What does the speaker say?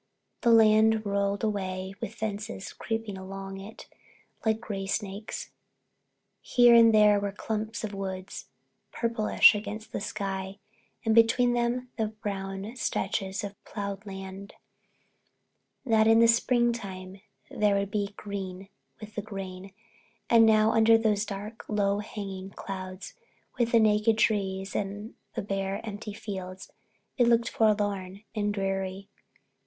The land rolled away with fences creeping across it like gray snakes. Here and there were clumps of woods, purplish against the sky, and between them the brown stretches of plowed land, that in the springtime would be green with the grain. Now, under those dark, low hanging clouds with the naked trees and the bare, empty fields, it looked forlorn and dreary.